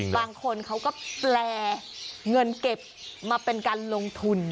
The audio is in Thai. บางคนเขาก็แปลเงินเก็บมาเป็นการลงทุน